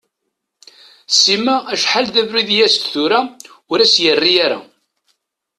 Sima acḥal d abrid i as-d-tura ur as-yerri ara.